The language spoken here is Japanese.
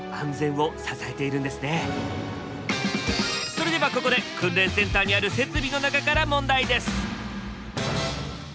それではここで訓練センターにある設備の中から問題です。